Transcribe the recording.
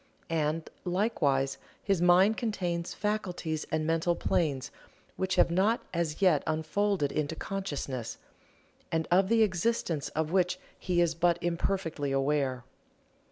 And, likewise, his mind contains faculties and mental planes which have not as yet unfolded into consciousness, and of the existence of which he is but imperfectly aware.